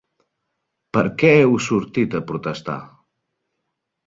Per què heu sortit a protestar?